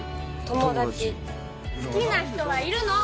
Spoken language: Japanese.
友達友達好きな人はいるの！